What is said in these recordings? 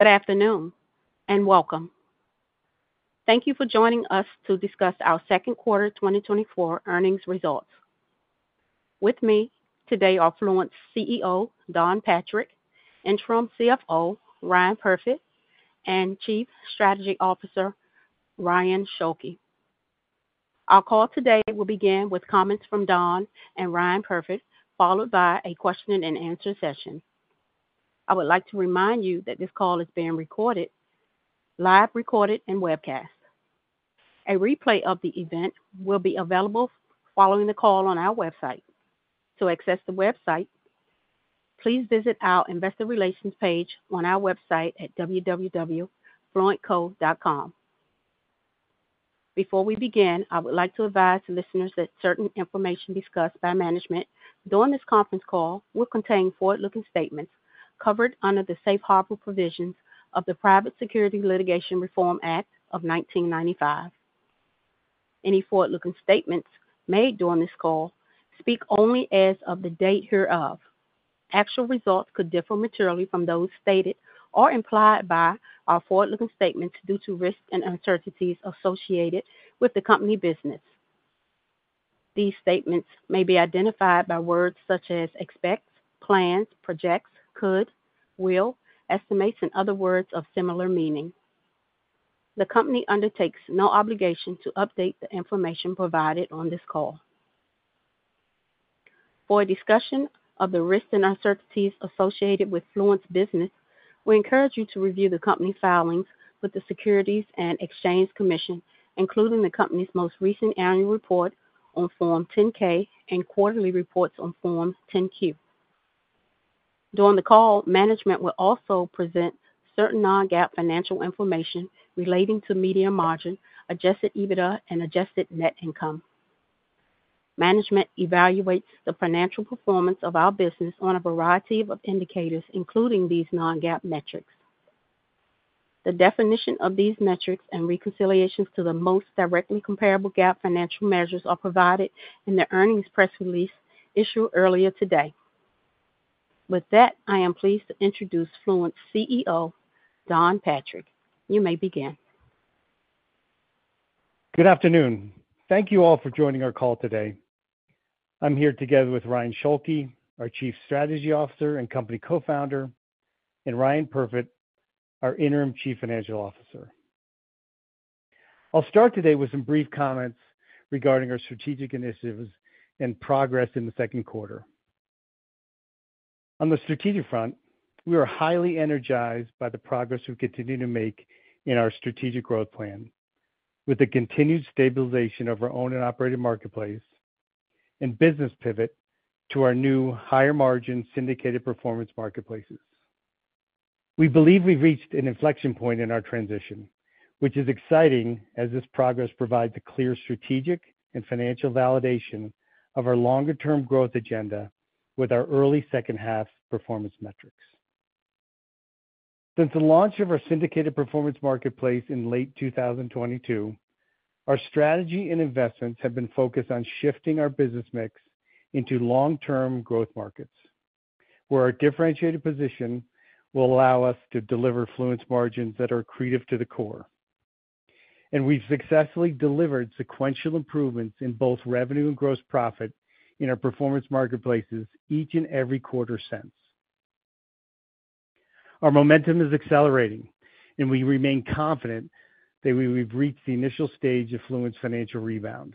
Good after`noon, and welcome. Thank you for joining us to discuss our second quarter 2024 earnings results. With me today are Fluent's CEO, Don Patrick, Interim CFO, Ryan Perfit, and Chief Strategy Officer, Ryan Schulke. Our call today will begin with comments from Don and Ryan Perfit, followed by a question and answer session. I would like to remind you that this call is being recorded, live recorded, and webcast. A replay of the event will be available following the call on our website. To access the website, please visit our investor relations page on our website at www.fluentco.com. Before we begin, I would like to advise listeners that certain information discussed by management during this conference call will contain forward-looking statements covered under the safe harbor provisions of the Private Securities Litigation Reform Act of 1995. Any forward-looking statements made during this call speak only as of the date hereof. Actual results could differ materially from those stated or implied by our forward-looking statements due to risks and uncertainties associated with the company business. These statements may be identified by words such as expect, plans, projects, could, will, estimates, and other words of similar meaning. The company undertakes no obligation to update the information provided on this call. For a discussion of the risks and uncertainties associated with Fluent's business, we encourage you to review the company's filings with the Securities and Exchange Commission, including the company's most recent annual report on Form 10-K and quarterly reports on Form 10-Q. During the call, management will also present certain non-GAAP financial information relating to media margin, Adjusted EBITDA, and Adjusted Net Income. Management evaluates the financial performance of our business on a variety of indicators, including these non-GAAP metrics. The definition of these metrics and reconciliations to the most directly comparable GAAP financial measures are provided in the earnings press release issued earlier today. With that, I am pleased to introduce Fluent's CEO, Don Patrick. You may begin. Good afternoon. Thank you all for joining our call today. I'm here together with Ryan Schulke, our Chief Strategy Officer and co-founder, and Ryan Perfit, our Interim Chief Financial Officer. I'll start today with some brief comments regarding our strategic initiatives and progress in the second quarter. On the strategic front, we are highly energized by the progress we continue to make in our strategic growth plan, with the continued stabilization of our owned and operated marketplace and business pivot to our new higher-margin syndicated performance marketplaces. We believe we've reached an inflection point in our transition, which is exciting, as this progress provides a clear strategic and financial validation of our longer-term growth agenda with our early second-half performance metrics. Since the launch of our syndicated performance marketplace in late 2022, our strategy and investments have been focused on shifting our business mix into long-term growth markets, where our differentiated position will allow us to deliver Fluent's margins that are accretive to the core, and we've successfully delivered sequential improvements in both revenue and gross profit in our performance marketplaces each and every quarter since. Our momentum is accelerating, and we remain confident that we've reached the initial stage of Fluent's financial rebound.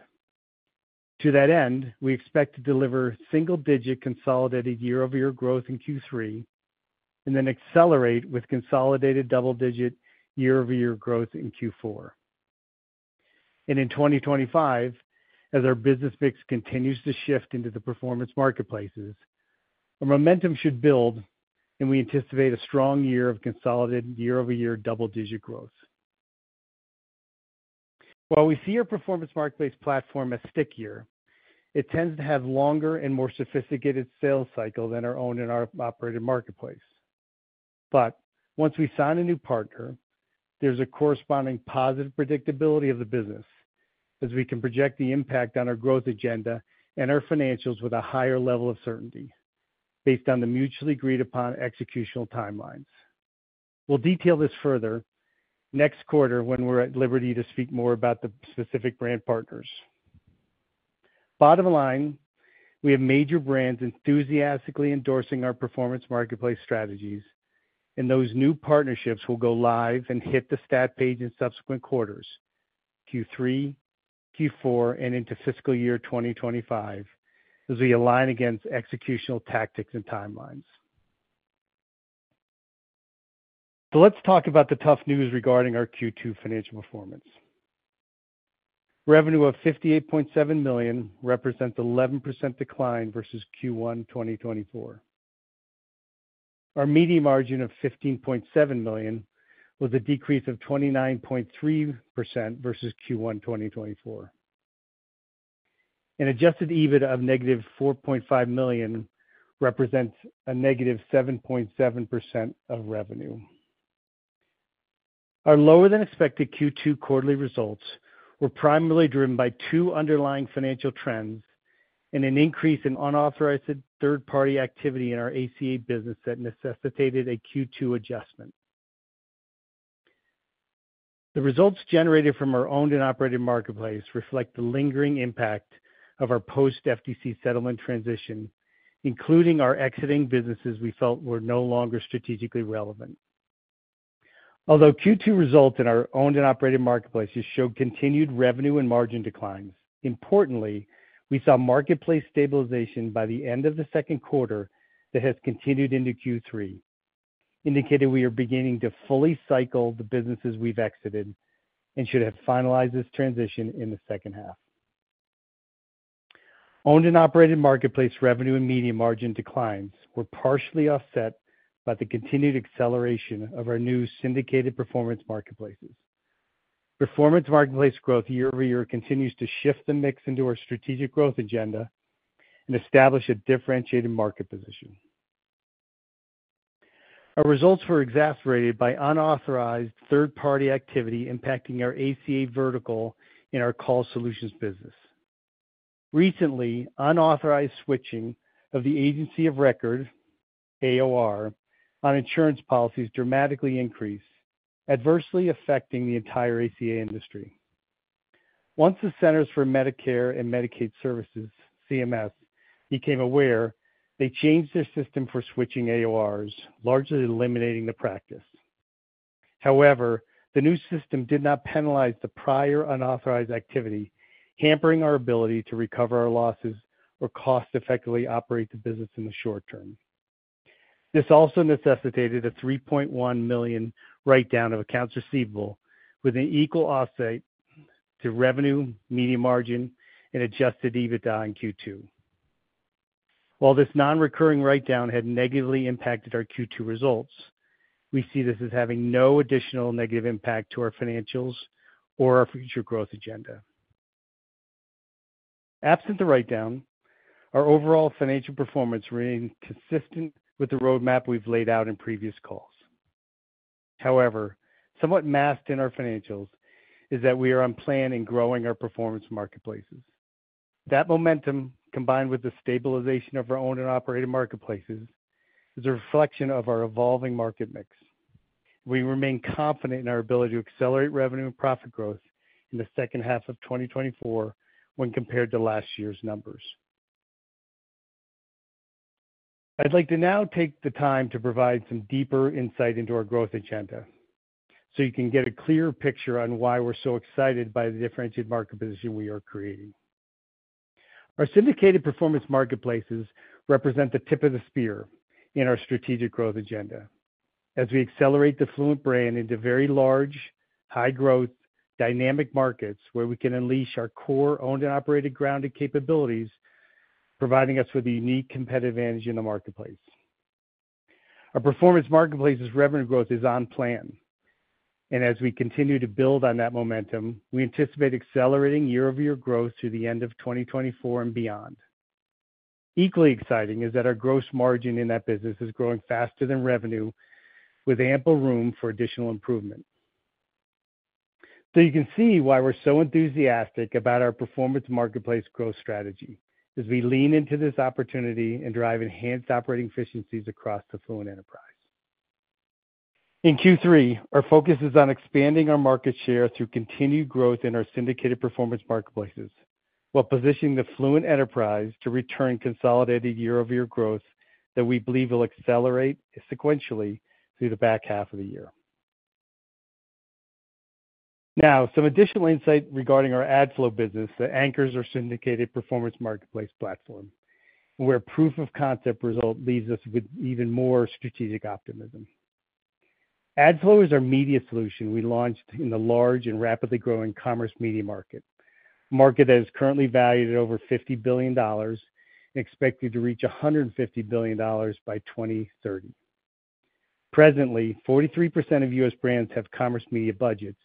To that end, we expect to deliver single-digit consolidated year-over-year growth in Q3, and then accelerate with consolidated double-digit year-over-year growth in Q4, and in 2025, as our business mix continues to shift into the performance marketplaces, our momentum should build, and we anticipate a strong year of consolidated year-over-year double-digit growth. While we see our performance marketplace platform as stickier, it tends to have longer and more sophisticated sales cycle than our own and our operated marketplace. But once we sign a new partner, there's a corresponding positive predictability of the business, as we can project the impact on our growth agenda and our financials with a higher level of certainty based on the mutually agreed upon executional timelines. We'll detail this further next quarter when we're at liberty to speak more about the specific brand partners. Bottom line, we have major brands enthusiastically endorsing our performance marketplace strategies, and those new partnerships will go live and hit the stat page in subsequent quarters: Q3, Q4, and into fiscal year 2025, as we align against executional tactics and timelines. So let's talk about the tough news regarding our Q2 financial performance. Revenue of $58.7 million represents 11% decline versus Q1 2024. Our media margin of $15.7 million was a decrease of 29.3% versus Q1 2024. An Adjusted EBITDA of -$4.5 million represents a -7.7% of revenue. Our lower than expected Q2 quarterly results were primarily driven by two underlying financial trends and an increase in unauthorized third-party activity in our ACA business that necessitated a Q2 adjustment. The results generated from our owned and operated marketplace reflect the lingering impact of our post FTC settlement transition, including our exiting businesses we felt were no longer strategically relevant. Although Q2 results in our owned and operated marketplaces showed continued revenue and margin declines, importantly, we saw marketplace stabilization by the end of the second quarter that has continued into Q3, indicating we are beginning to fully cycle the businesses we've exited and should have finalized this transition in the second half. Owned and operated marketplace revenue and media margin declines were partially offset by the continued acceleration of our new syndicated performance marketplaces. Performance marketplace growth year over year continues to shift the mix into our strategic growth agenda and establish a differentiated market position. Our results were exacerbated by unauthorized third-party activity impacting our ACA vertical in our call solutions business. Recently, unauthorized switching of the agency of record, AOR, on insurance policies dramatically increased, adversely affecting the entire ACA industry. Once the Centers for Medicare and Medicaid Services, CMS, became aware, they changed their system for switching AORs, largely eliminating the practice. However, the new system did not penalize the prior unauthorized activity, hampering our ability to recover our losses or cost-effectively operate the business in the short term. This also necessitated a $3.1 million write-down of accounts receivable with an equal offset to revenue, media margin, and Adjusted EBITDA in Q2. While this non-recurring write-down had negatively impacted our Q2 results, we see this as having no additional negative impact to our financials or our future growth agenda. Absent the write-down, our overall financial performance remained consistent with the roadmap we've laid out in previous calls. However, somewhat masked in our financials is that we are on plan in growing our performance marketplaces. That momentum, combined with the stabilization of our owned and operated marketplaces, is a reflection of our evolving market mix. We remain confident in our ability to accelerate revenue and profit growth in the second half of 2024 when compared to last year's numbers. I'd like to now take the time to provide some deeper insight into our growth agenda, so you can get a clear picture on why we're so excited by the differentiated market position we are creating. Our syndicated performance marketplaces represent the tip of the spear in our strategic growth agenda as we accelerate the Fluent brand into very large, high growth, dynamic markets, where we can unleash our core owned and operated grounded capabilities, providing us with a unique competitive advantage in the marketplace. Our performance marketplace's revenue growth is on plan, and as we continue to build on that momentum, we anticipate accelerating year-over-year growth through the end of 2024 and beyond. Equally exciting is that our gross margin in that business is growing faster than revenue, with ample room for additional improvement. So you can see why we're so enthusiastic about our performance marketplace growth strategy as we lean into this opportunity and drive enhanced operating efficiencies across the Fluent enterprise. In Q3, our focus is on expanding our market share through continued growth in our syndicated performance marketplaces, while positioning the Fluent enterprise to return consolidated year-over-year growth that we believe will accelerate sequentially through the back half of the year. Now, some additional insight regarding our AdFlow business that anchors our syndicated performance marketplace platform, where proof of concept result leaves us with even more strategic optimism. AdFlow is our media solution we launched in the large and rapidly growing commerce media market, a market that is currently valued at over $50 billion and expected to reach $150 billion by 2030. Presently, 43% of U.S. brands have commerce media budgets,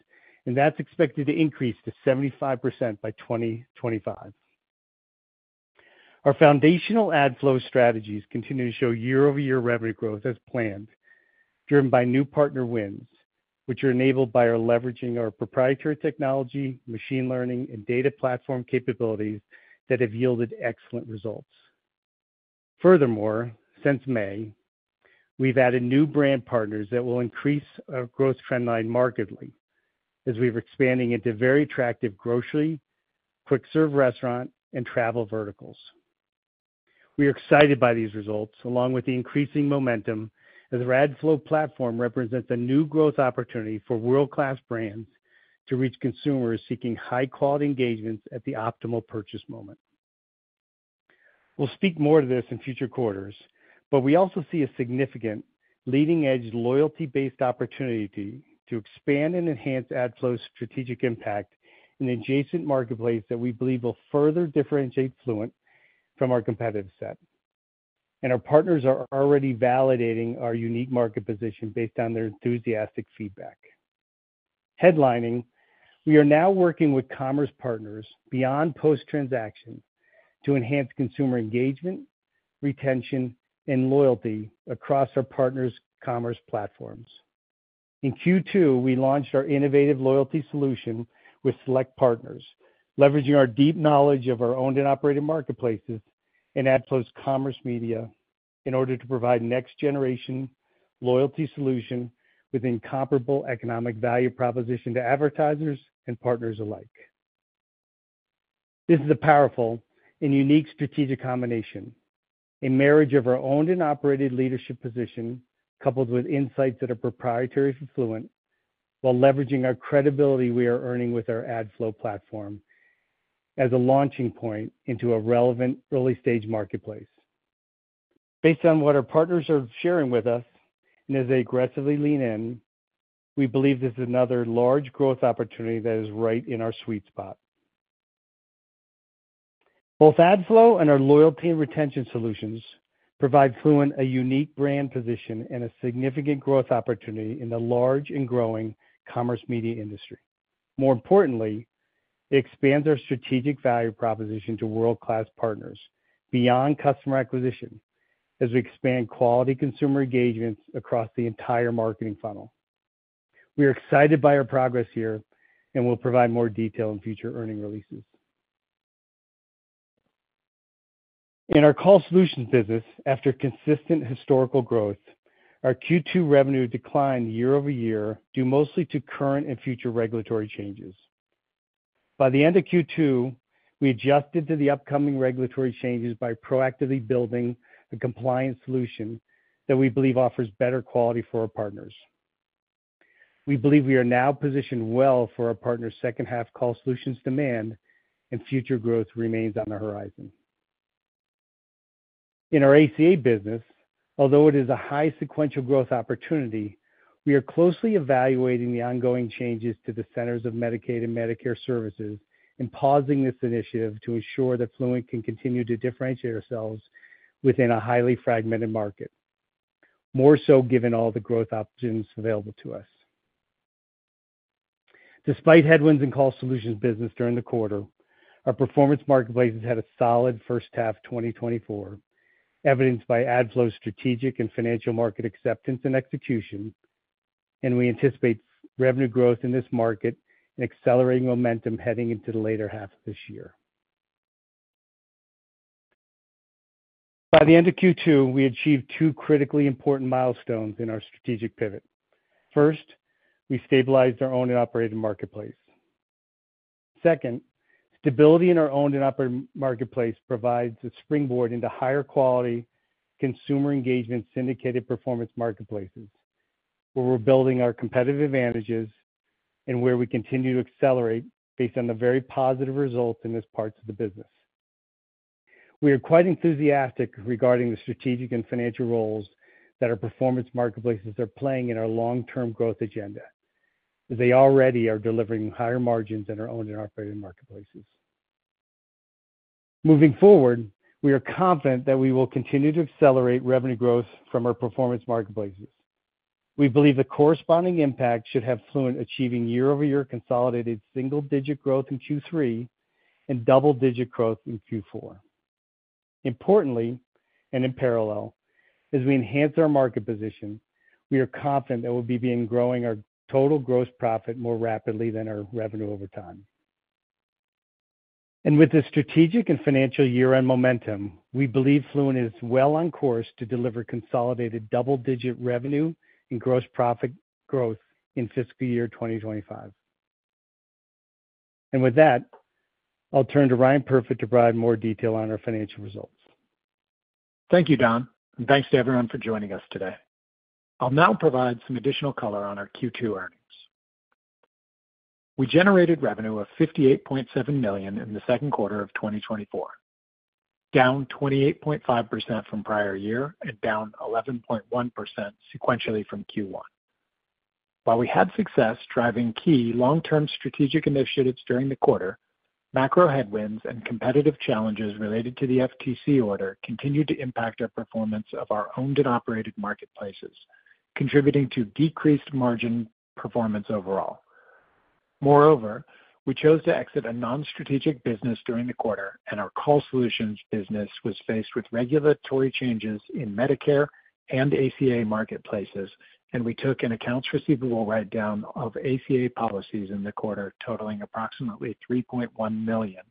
and that's expected to increase to 75% by 2025. Our foundational AdFlow strategies continue to show year-over-year revenue growth as planned, driven by new partner wins, which are enabled by leveraging our proprietary technology, machine learning, and data platform capabilities that have yielded excellent results. Furthermore, since May, we've added new brand partners that will increase our growth trend line markedly as we're expanding into very attractive grocery, quick-serve restaurant, and travel verticals. We are excited by these results, along with the increasing momentum, as our AdFlow platform represents a new growth opportunity for world-class brands to reach consumers seeking high-quality engagements at the optimal purchase moment. We'll speak more to this in future quarters, but we also see a significant leading-edge, loyalty-based opportunity to expand and enhance AdFlow's strategic impact in adjacent marketplaces that we believe will further differentiate Fluent from our competitive set, and our partners are already validating our unique market position based on their enthusiastic feedback. Headlining, we are now working with commerce partners beyond post-transaction to enhance consumer engagement, retention, and loyalty across our partners' commerce platforms. In Q2, we launched our innovative loyalty solution with select partners, leveraging our deep knowledge of our owned and operated marketplaces and AdFlow's commerce media, in order to provide next generation loyalty solution with incomparable economic value proposition to advertisers and partners alike. This is a powerful and unique strategic combination, a marriage of our owned and operated leadership position, coupled with insights that are proprietary for Fluent, while leveraging our credibility we are earning with our AdFlow platform as a launching point into a relevant early-stage marketplace. Based on what our partners are sharing with us, and as they aggressively lean in, we believe this is another large growth opportunity that is right in our sweet spot. Both AdFlow and our loyalty and retention solutions provide Fluent a unique brand position and a significant growth opportunity in the large and growing commerce media industry. More importantly, it expands our strategic value proposition to world-class partners beyond customer acquisition as we expand quality consumer engagements across the entire marketing funnel. We are excited by our progress here, and we'll provide more detail in future earnings releases. In our Call Solutions business, after consistent historical growth, our Q2 revenue declined year over year, due mostly to current and future regulatory changes. By the end of Q2, we adjusted to the upcoming regulatory changes by proactively building a compliance solution that we believe offers better quality for our partners. We believe we are now positioned well for our partners' second half Call Solutions demand and future growth remains on the horizon. In our ACA business, although it is a high sequential growth opportunity, we are closely evaluating the ongoing changes to the Centers for Medicare & Medicaid Services and pausing this initiative to ensure that Fluent can continue to differentiate ourselves within a highly fragmented market. More so, given all the growth options available to us. Despite headwinds in Call Solutions business during the quarter, our performance marketplaces had a solid first half, 2024, evidenced by AdFlow's strategic and financial market acceptance and execution, and we anticipate revenue growth in this market and accelerating momentum heading into the later half of this year. By the end of Q2, we achieved two critically important milestones in our strategic pivot. First, we stabilized our owned and operated marketplace. Second, stability in our owned and operated marketplace provides a springboard into higher quality consumer engagement, syndicated performance marketplaces, where we're building our competitive advantages and where we continue to accelerate based on the very positive results in this parts of the business. We are quite enthusiastic regarding the strategic and financial roles that our performance marketplaces are playing in our long-term growth agenda, as they already are delivering higher margins than our owned and operated marketplaces. Moving forward, we are confident that we will continue to accelerate revenue growth from our performance marketplaces. We believe the corresponding impact should have Fluent achieving year-over-year consolidated single-digit growth in Q3 and double-digit growth in Q4. Importantly, and in parallel, as we enhance our market position, we are confident that we'll begin growing ou``r total gross profit more rapidly than our revenue over time. With the strategic and financial year-end momentum, we believe Fluent is well on course to deliver consolidated double-digit revenue and gross profit growth in fiscal year 2025. With that, I'll turn to Ryan Perfit to provide more detail on our financial results. Thank you, Don, and thanks to everyone for joining us today. I'll now provide some additional color on our Q2 earnings. We generated revenue of $58.7 million in the second quarter of 2024, down 28.5% from prior year and down 11.1% sequentially from Q1. While we had success driving key long-term strategic initiatives during the quarter, macro headwinds and competitive challenges related to the FTC order continued to impact our performance of our owned and operated marketplaces, contributing to decreased margin performance overall. Moreover, we chose to exit a non-strategic business during the quarter, and our Call Solutions business was faced with regulatory changes in Medicare and ACA marketplaces, and we took an accounts receivable write-down of ACA policies in the quarter, totaling approximately $3.1 million,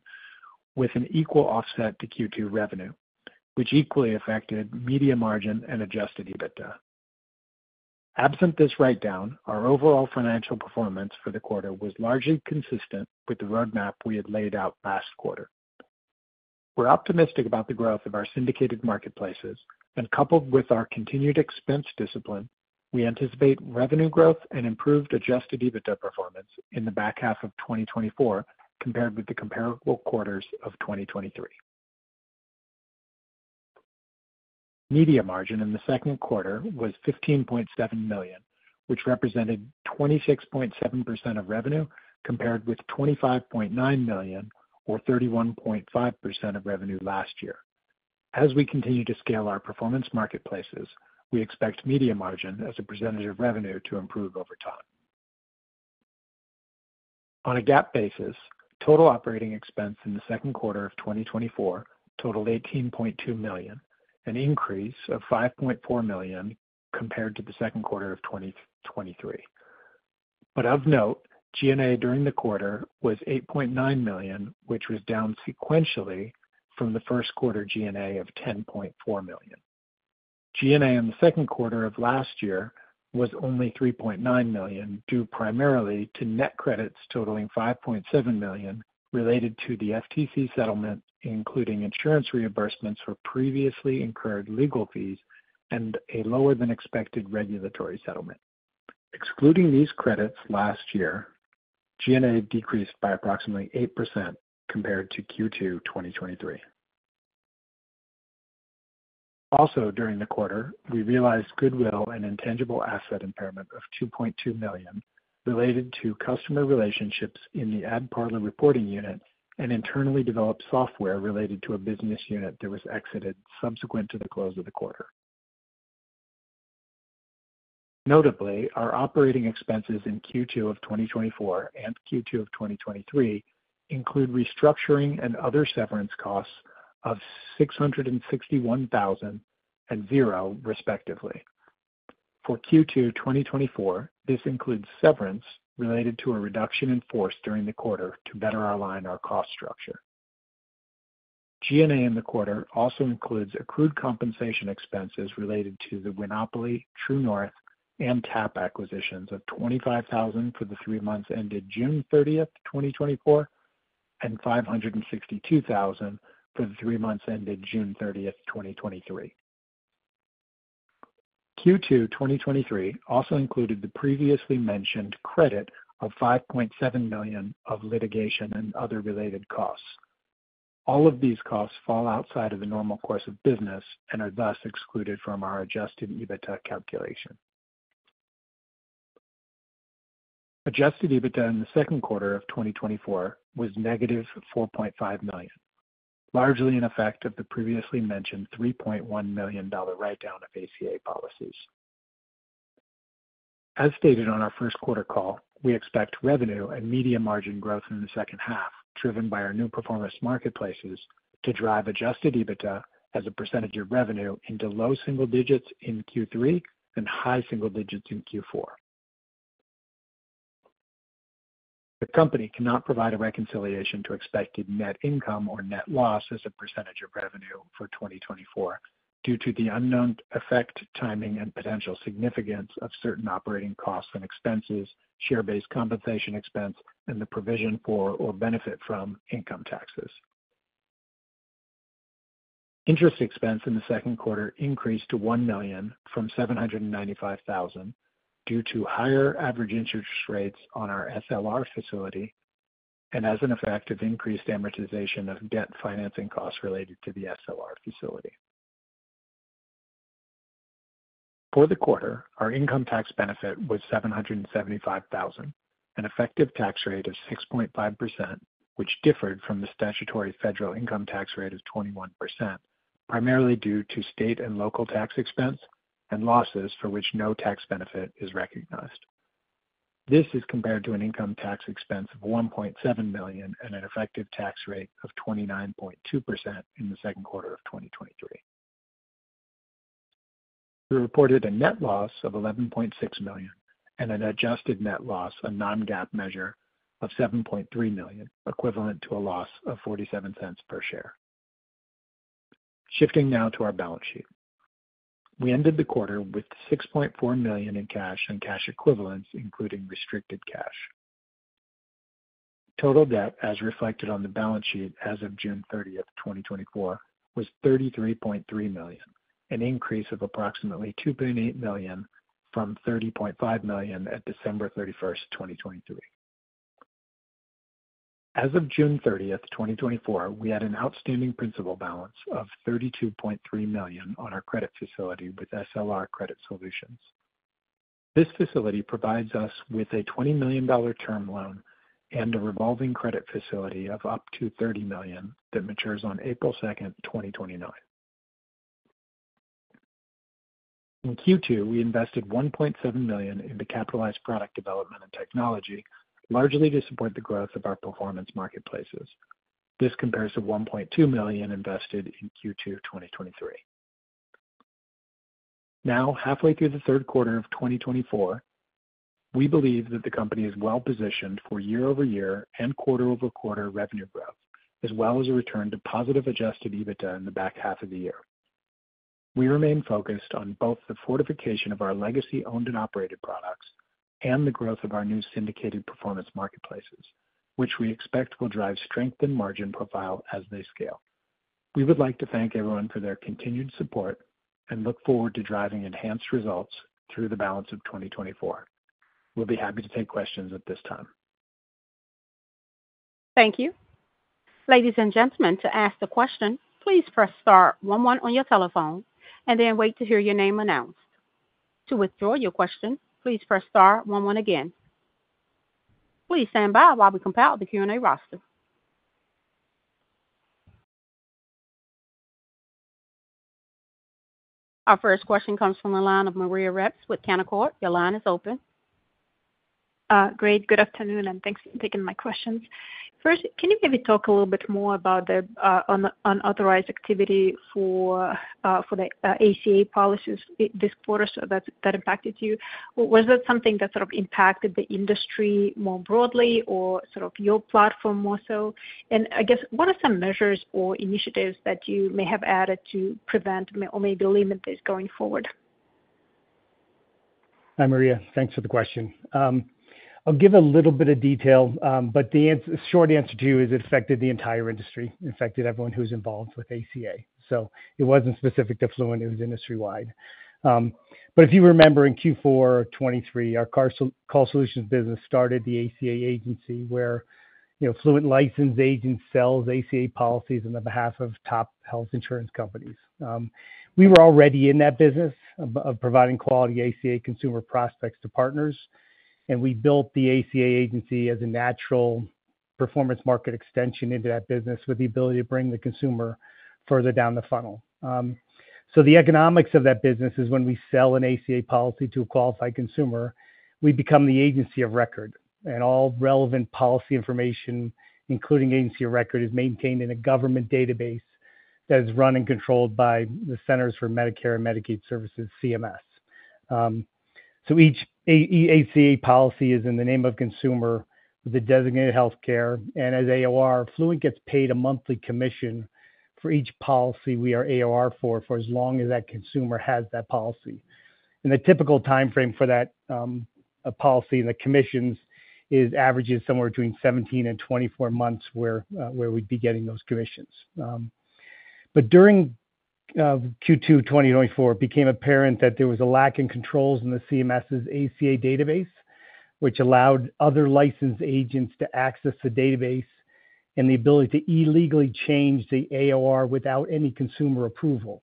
with an equal offset to Q2 revenue, which equally affected Media Margin and Adjusted EBITDA. Absent this write-down, our overall financial performance for the quarter was largely consistent with the roadmap we had laid out last quarter. We're optimistic about the growth of our syndicated marketplaces, and coupled with our continued expense discipline, we anticipate revenue growth and improved Adjusted EBITDA performance in the back half of 2024, compared with the comparable quarters of 2023. Media margin in the second quarter was $15.7 million, which represented 26.7% of revenue, compared with $25.9 million, or 31.5% of revenue last year. As we continue to scale our performance marketplaces, we expect media margin as a percentage of revenue to improve over time. On a GAAP basis, total operating expense in the second quarter of 2024 totaled $18.2 million, an increase of $5.4 million compared to the second quarter of 2023, but of note, G&A during the quarter was $8.9 million, which was down sequentially from the first quarter G&A of $10.4 million. G&A in the second quarter of last year was only $3.9 million, due primarily to net credits totaling $5.7 million related to the FTC settlement, including insurance reimbursements for previously incurred legal fees and a lower than expected regulatory settlement. Excluding these credits last year, G&A decreased by approximately 8% compared to Q2 2023. Also, during the quarter, we realized goodwill and intangible asset impairment of $2.2 million related to customer relationships in the AdParlor reporting unit and internally developed software related to a business unit that was exited subsequent to the close of the quarter. Notably, our operating expenses in Q2 of 2024 and Q2 of 2023 include restructuring and other severance costs of $661,000 and zero, respectively. For Q2 2024, this includes severance related to a reduction in force during the quarter to better align our cost structure. G&A in the quarter also includes accrued compensation expenses related to the Winopoly, True North, and TAP acquisitions of $25,000 for the three months ended June 30th, 2024, and $562,000 for the three months ended June 30th, 2023. Q2 2023 also included the previously mentioned credit of $5.7 million of litigation and other related costs. All of these costs fall outside of the normal course of business and are thus excluded from our Adjusted EBITDA calculation. Adjusted EBITDA in the second quarter of 2024 was -$4.5 million, largely in effect of the previously mentioned $3.1 million dollar write-down of ACA policies. As stated on our first quarter call, we expect revenue and media margin growth in the second half, driven by our new performance marketplaces, to drive Adjusted EBITDA as a percentage of revenue into low single digits% in Q3 and high single digits% in Q4. The company cannot provide a reconciliation to expected net income or net loss as a percentage of revenue for 2024 due to the unknown effect, timing, and potential significance of certain operating costs and expenses, share-based compensation expense, and the provision for or benefit from income taxes. Interest expense in the second quarter increased to $1 million from $795,000 due to higher average interest rates on our SLR facility and as an effect of increased amortization of debt financing costs related to the SLR facility. For the quarter, our income tax benefit was $775,000, an effective tax rate of 6.5%, which differed from the statutory federal income tax rate of 21%, primarily due to state and local tax expense and losses for which no tax benefit is recognized. This is compared to an income tax expense of $1.7 million and an effective tax rate of 29.2% in the second quarter of 2023. We reported a net loss of $11.6 million and an adjusted net loss, a non-GAAP measure, of $7.3 million, equivalent to a loss of $0.47 per share. Shifting now to our balance sheet. We ended the quarter with $6.4 million in cash and cash equivalents, including restricted cash. Total debt, as reflected on the balance sheet as of June 30th, 2024, was $33.3 million, an increase of approximately $2.8 million from $30.5 million at December 31st, 2023. As of June 30th, 2024, we had an outstanding principal balance of $32.3 million on our credit facility with SLR Credit Solutions. This facility provides us with a $20 million term loan and a revolving credit facility of up to $30 million that matures on April 2nd, 2029. In Q2, we invested $1.7 million in the capitalized product development and technology, largely to support the growth of our performance marketplaces. This compares to $1.2 million invested in Q2 2023. Now, halfway through the third quarter of 2024, we believe that the company is well-positioned for year-over-year and quarter-over-quarter revenue growth, as well as a return to positive Adjusted EBITDA in the back half of the year. We remain focused on both the fortification of our legacy owned and operated products and the growth of our new syndicated performance marketplaces, which we expect will drive strength and margin profile as they scale. We would like to thank everyone for their continued support and look forward to driving enhanced results through the balance of 2024. We'll be happy to take questions at this time. Thank you. Ladies and gentlemen, to ask a question, please press star one one on your telephone and then wait to hear your name announced. To withdraw your question, please press star one one again. Please stand by while we compile the Q&A roster. Our first question comes from the line of Maria Ripps with Canaccord. Your line is open. Great. Good afternoon, and thanks for taking my questions. First, can you maybe talk a little bit more about the unauthorized activity for the ACA policies in this quarter, so that that impacted you? Was that something that sort of impacted the industry more broadly or sort of your platform more so? And I guess, what are some measures or initiatives that you may have added to prevent or maybe limit this going forward? Hi, Maria. Thanks for the question. I'll give a little bit of detail, but the short answer to you is it affected the entire industry. It affected everyone who's involved with ACA, so it wasn't specific to Fluent, it was industry-wide. But if you remember in Q4 2023, our Call Solutions business started the ACA agency, where, you know, Fluent licensed agents sells ACA policies on behalf of top health insurance companies. We were already in that business of providing quality ACA consumer prospects to partners, and we built the ACA agency as a natural performance market extension into that business, with the ability to bring the consumer further down the funnel. So the economics of that business is when we sell an ACA policy to a qualified consumer, we become the agency of record, and all relevant policy information, including agency of record, is maintained in a government database that is run and controlled by the Centers for Medicare and Medicaid Services, CMS. So each ACA policy is in the name of consumer with the designated healthcare, and as AOR, Fluent gets paid a monthly commission for each policy we are AOR for, for as long as that consumer has that policy. And the typical timeframe for that, a policy and the commissions is averages somewhere between seventeen and twenty-four months, where where we'd be getting those commissions. But during Q2 2024, it became apparent that there was a lack in controls in the CMS's ACA database, which allowed other licensed agents to access the database and the ability to illegally change the AOR without any consumer approval.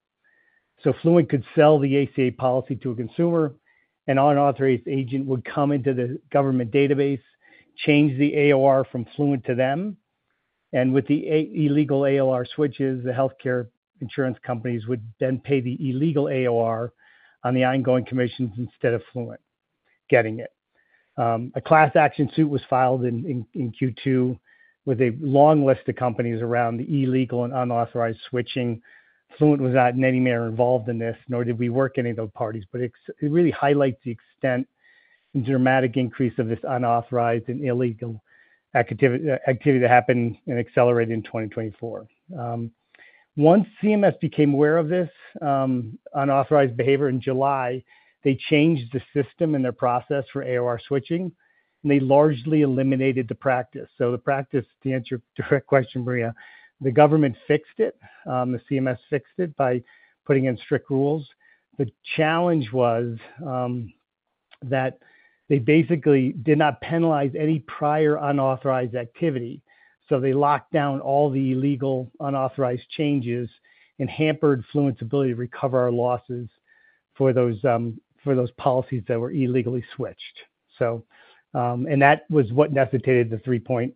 So Fluent could sell the ACA policy to a consumer, an unauthorized agent would come into the government database, change the AOR from Fluent to them, and with the illegal AOR switches, the healthcare insurance companies would then pay the illegal AOR on the ongoing commissions instead of Fluent getting it. A class action suit was filed in Q2 with a long list of companies around the illegal and unauthorized switching. Fluent was not in any manner involved in this, nor did we work any of those parties, but it really highlights the extent and dramatic increase of this unauthorized and illegal activity that happened and accelerated in 2024. Once CMS became aware of this unauthorized behavior in July, they changed the system and their process for AOR switching, and they largely eliminated the practice. So the practice, to answer your direct question, Maria, the government fixed it, the CMS fixed it by putting in strict rules. The challenge was that they basically did not penalize any prior unauthorized activity, so they locked down all the illegal, unauthorized changes and hampered Fluent's ability to recover our losses for those policies that were illegally switched. So, and that was what necessitated the $3.1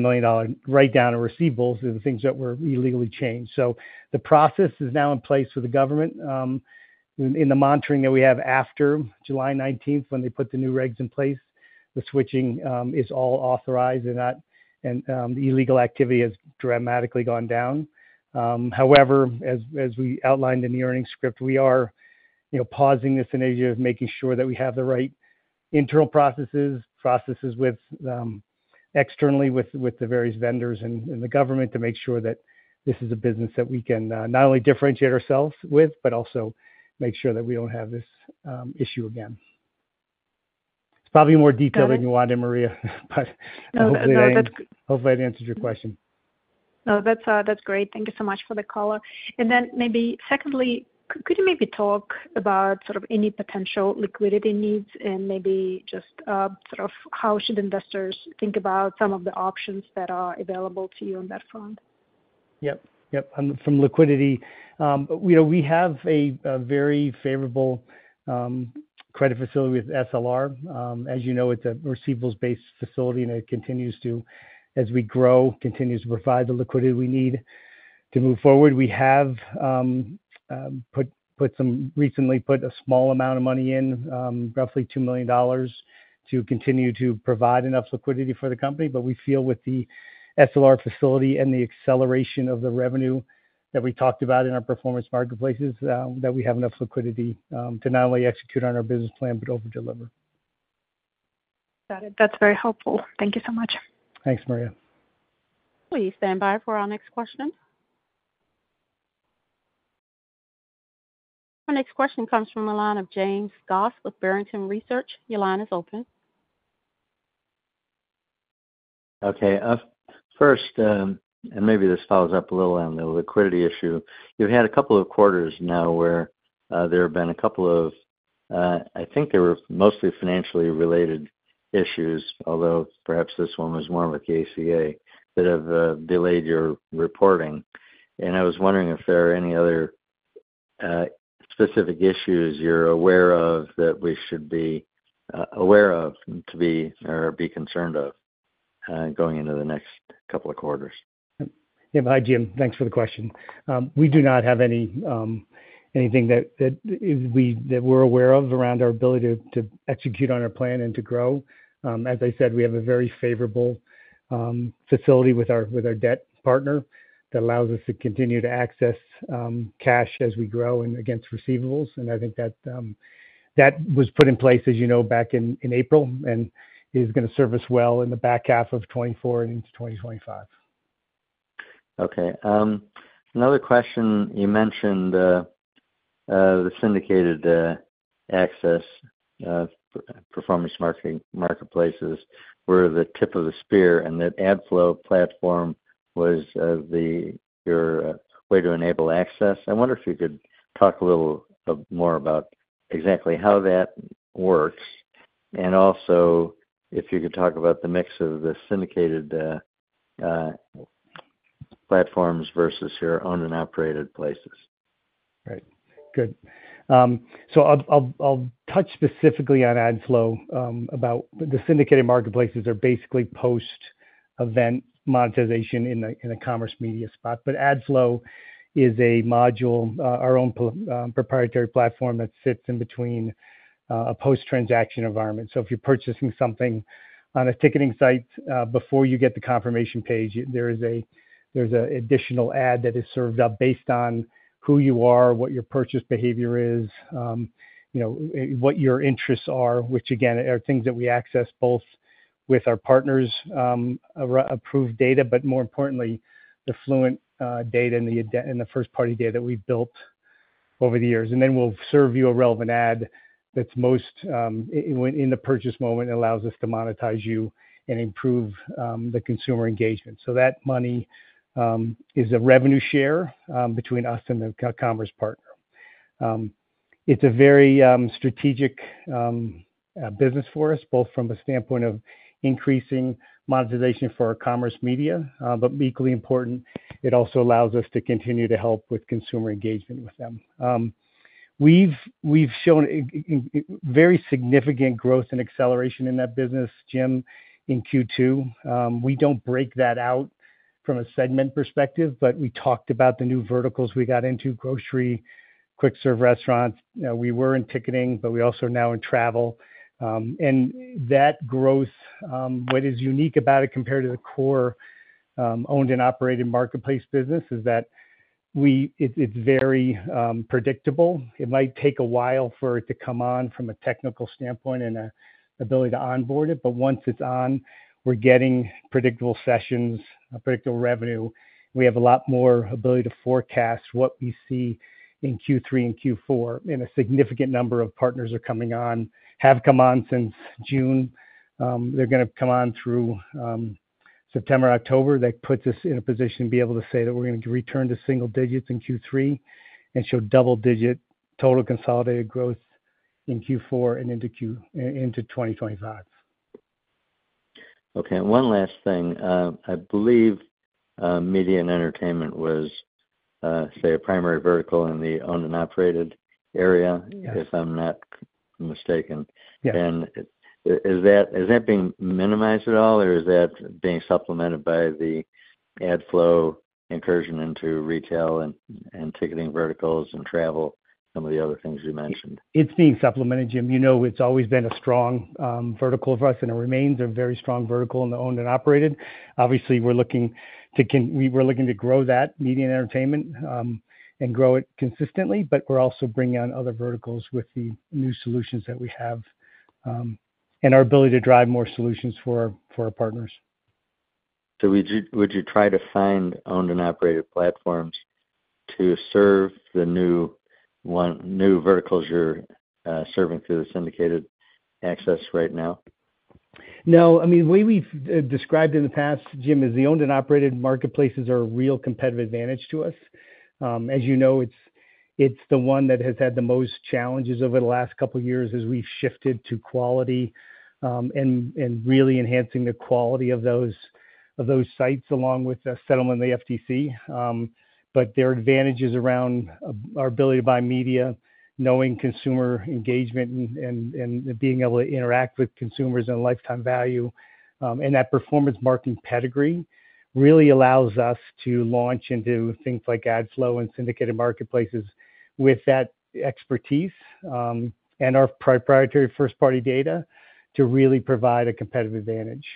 million write-down of receivables are the things that were illegally changed. So the process is now in place with the government, in the monitoring that we have after July 19th, when they put the new regs in place, the switching is all authorized and not... and the illegal activity has dramatically gone down. However, as we outlined in the earnings script, we are, you know, pausing this initiative, making sure that we have the right internal processes with externally with the various vendors and the government to make sure that this is a business that we can not only differentiate ourselves with, but also make sure that we don't have this issue again. It's probably more detail than you wanted, Maria, but... No, no, that's- Hopefully, I answered your question. No, that's great. Thank you so much for the call. And then maybe secondly, could you maybe talk about sort of any potential liquidity needs and maybe just sort of how should investors think about some of the options that are available to you on that front? Yep. Yep, on liquidity. You know, we have a very favorable credit facility with SLR. As you know, it's a receivables-based facility, and it continues to, as we grow, continues to provide the liquidity we need to move forward. We have recently put a small amount of money in, roughly $2 million, to continue to provide enough liquidity for the company. But we feel with the SLR facility and the acceleration of the revenue that we talked about in our performance marketplaces, that we have enough liquidity, to not only execute on our business plan, but over-deliver. Got it. That's very helpful. Thank you so much. Thanks, Maria. Please stand by for our next question. Our next question comes from the line of James Goss with Barrington Research. Your line is open. Okay. First, and maybe this follows up a little on the liquidity issue. You've had a couple of quarters now where there have been a couple of, I think they were mostly financially related issues, although perhaps this one was more of an ACA, that have delayed your reporting. And I was wondering if there are any other specific issues you're aware of that we should be aware of, to be, or be concerned of? Going into the next couple of quarters? Yeah. Hi, Jim. Thanks for the question. We do not have any anything that we're aware of around our ability to execute on our plan and to grow. As I said, we have a very favorable facility with our debt partner that allows us to continue to access cash as we grow and against receivables, and I think that that was put in place, as you know, back in April, and is gonna serve us well in the back half of 2024 and into 2025. Okay. Another question: You mentioned the syndicated performance marketing marketplaces were the tip of the spear, and that AdFlow platform was your way to enable access. I wonder if you could talk a little more about exactly how that works, and also if you could talk about the mix of the syndicated platforms versus your owned and operated marketplaces. Right. Good. So I'll touch specifically on AdFlow, about. The syndicated marketplaces are basically post-event monetization in a, in a commerce media spot. But AdFlow is a module, our own proprietary platform that sits in between, a post-transaction environment. So if you're purchasing something on a ticketing site, before you get the confirmation page, there is a, there's a additional ad that is served up based on who you are, what your purchase behavior is, you know, what your interests are, which, again, are things that we access both with our partners', approved data, but more importantly, the Fluent data and the first-party data that we've built over the years. And then we'll serve you a relevant ad that's most in the purchase moment, allows us to monetize you and improve the consumer engagement. So that money is a revenue share between us and the commerce partner. It's a very strategic business for us, both from the standpoint of increasing monetization for our commerce media but equally important, it also allows us to continue to help with consumer engagement with them. We've shown very significant growth and acceleration in that business, Jim, in Q2. We don't break that out from a segment perspective, but we talked about the new verticals we got into: grocery, quick serve restaurants. You know, we were in ticketing, but we also are now in travel. And that growth, what is unique about it compared to the core owned and operated marketplace business, is that it, it's very predictable. It might take a while for it to come on from a technical standpoint and ability to onboard it, but once it's on, we're getting predictable sessions, predictable revenue. We have a lot more ability to forecast what we see in Q3 and Q4, and a significant number of partners are coming on, have come on since June. They're gonna come on through September, October. That puts us in a position to be able to say that we're going to return to single digits in Q3 and show double digit total consolidated growth in Q4 and into 2025. Okay, and one last thing. I believe, media and entertainment was, say, a primary vertical in the owned and operated area... Yes. If I'm not mistaken. Yeah. Is that being minimized at all, or is that being supplemented by the AdFlow incursion into retail and ticketing verticals and travel, some of the other things you mentioned? It's being supplemented, Jim. You know, it's always been a strong vertical for us, and it remains a very strong vertical in the owned and operated. Obviously, we're looking to grow that media and entertainment and grow it consistently, but we're also bringing on other verticals with the new solutions that we have and our ability to drive more solutions for our partners. So would you try to find owned and operated platforms to serve the new one, new verticals you're serving through the syndicated access right now? No. I mean, the way we've described in the past, Jim, is the owned and operated marketplaces are a real competitive advantage to us. As you know, it's the one that has had the most challenges over the last couple of years as we've shifted to quality, and really enhancing the quality of those sites, along with the settlement in the FTC. But there are advantages around our ability to buy media, knowing consumer engagement and being able to interact with consumers and lifetime value. And that performance marketing pedigree really allows us to launch into things like AdFlow and syndicated marketplaces with that expertise, and our proprietary first-party data, to really provide a competitive advantage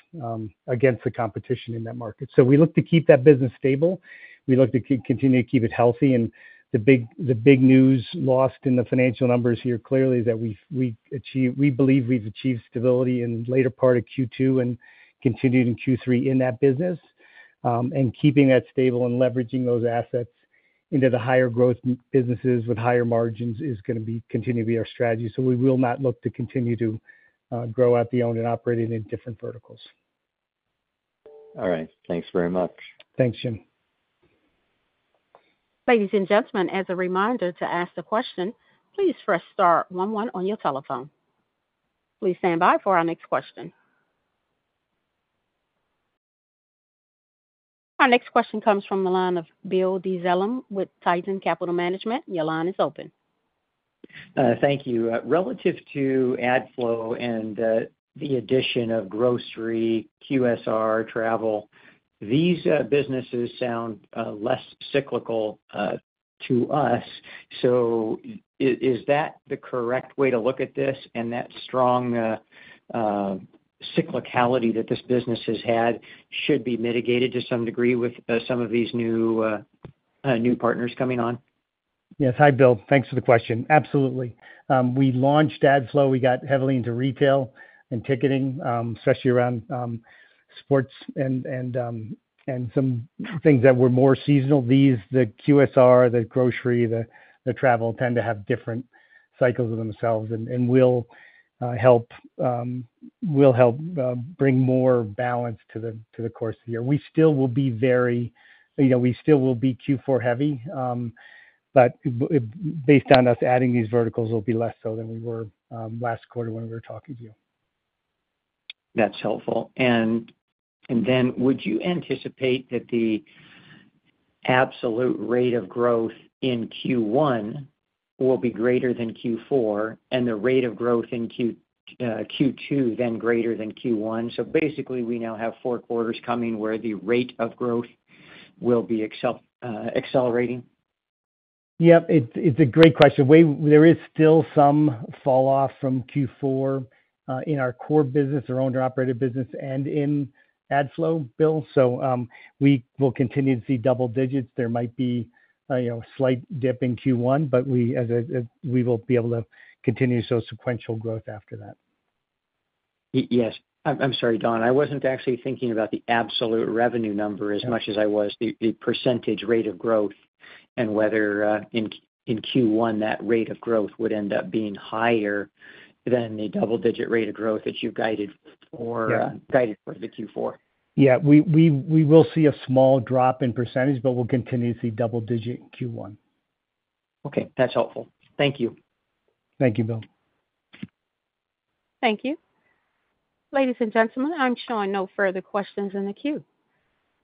against the competition in that market. So we look to keep that business stable. We look to continue to keep it healthy. And the big, the big news lost in the financial numbers here clearly is that we believe we've achieved stability in the later part of Q2 and continued in Q3 in that business. And keeping that stable and leveraging those assets into the higher growth businesses with higher margins is gonna be continue to be our strategy. So we will not look to continue to grow out the owned and operated in different verticals. All right. Thanks very much. Thanks, Jim. Ladies and gentlemen, as a reminder to ask a question, please press star one one on your telephone. Please stand by for our next question. Our next question comes from the line of Bill Dezellem with Tieton Capital Management. Your line is open. Thank you. Relative to AdFlow and the addition of grocery, QSR, travel, these businesses sound less cyclical to us. So is that the correct way to look at this, and that strong cyclicality that this business has had should be mitigated to some degree with some of these new partners coming on? Yes. Hi, Bill. Thanks for the question. Absolutely. We launched AdFlow. We got heavily into retail and ticketing, especially around sports and some things that were more seasonal. These, the QSR, the grocery, the travel, tend to have different cycles of themselves and will help bring more balance to the course of the year. We still will be very... You know, we still will be Q4 heavy, but based on us adding these verticals, we'll be less so than we were last quarter when we were talking to you. That's helpful. And then would you anticipate that the absolute rate of growth in Q1 will be greater than Q4, and the rate of growth in Q2 then greater than Q1? So basically, we now have four quarters coming where the rate of growth will be accelerating. Yep, it's, it's a great question. There is still some fall off from Q4 in our core business, our owned and operated business, and in AdFlow, Bill. So, we will continue to see double digits. There might be, you know, a slight dip in Q1, but we, as a, we will be able to continue to show sequential growth after that. Yes. I'm sorry, Don. I wasn't actually thinking about the absolute revenue number as much as I was the percentage rate of growth and whether in Q1 that rate of growth would end up being higher than the double-digit rate of growth that you've guided for- Yeah. Guided for the Q4. Yeah, we will see a small drop in percentage, but we'll continue to see double digit in Q1. Okay, that's helpful. Thank you. Thank you, Bill Dezellem. Thank you. Ladies and gentlemen, I'm showing no further questions in the queue.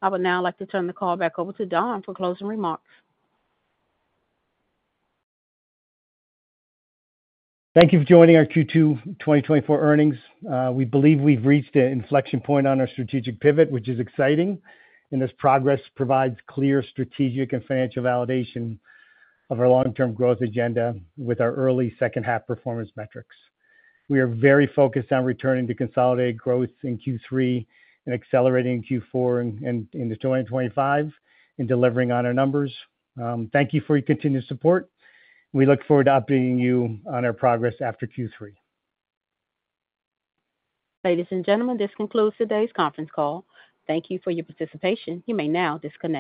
I would now like to turn the call back over to Don for closing remarks. Thank you for joining our Q2 2024 earnings. We believe we've reached an inflection point on our strategic pivot, which is exciting, and this progress provides clear strategic and financial validation of our long-term growth agenda with our early second-half performance metrics. We are very focused on returning to consolidated growth in Q3 and accelerating Q4 into 2025 and delivering on our numbers. Thank you for your continued support. We look forward to updating you on our progress after Q3. Ladies and gentlemen, this concludes today's conference call. Thank you for your participation. You may now disconnect.